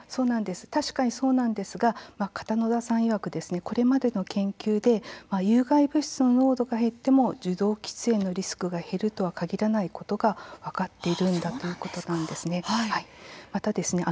確かにそうなんですが片野田さんいわくこれまでの研究で有害物質の濃度が減っても受動喫煙のリスクが減るとは限らないことが分かっているんだということなんですね。